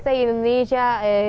untuk dua bulan